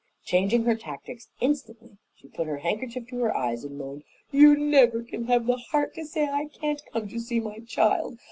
Changing her tactics instantly, she put her handkerchief to her eyes and moaned, "You never can have the heart to say I can't come and see my child.